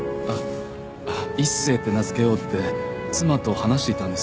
一星って名付けようって妻と話していたんです。